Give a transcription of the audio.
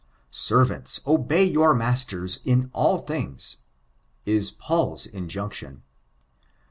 "Servants, obey your masters in all things," is Paul's injunction.